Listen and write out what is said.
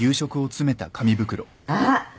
あっ！